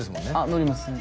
乗りますね